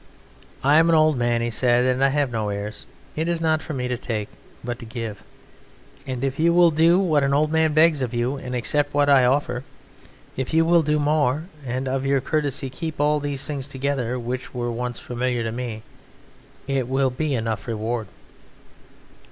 "I am an old man," he said, "and I have no heirs; it is not for me to take, but to give, and if you will do what an old man begs of you, and accept what I offer; if you will do more and of your courtesy keep all these things together which were once familiar to me, it will be enough reward."